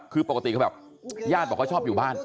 คือปกติแย่นบอกว่าชอบอยู่บ้าน